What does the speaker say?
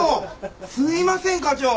すいません課長。